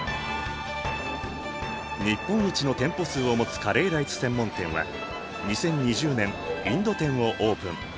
日本一の店舗数を持つカレーライス専門店は２０２０年インド店をオープン。